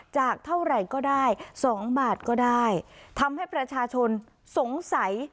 จากเท่าไหร่ก็ได้สองบาทก็ได้ทำให้ประชาชนสงสัย